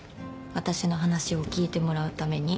私の話を聞いてもらうために。